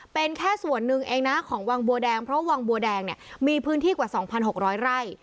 เป็นแค่ส่วนหนึ่งเองนะของวังบัวแดงเพราะวังบัวแดงเนี่ยมีพื้นที่กว่า๒๖๐๐ไร่